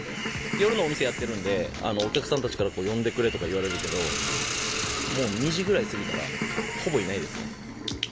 夜のお店やってるんで、お客さんたちから呼んでくれとか言われるけど、もう２時ぐらい過ぎたら、ほぼいないですね。